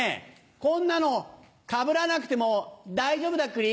こんなのかぶらなくても大丈夫だクリ。